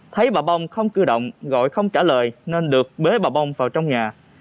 thấy bà bông không cơ động gọi không trả lời nên được bế bà bông vào trong nhà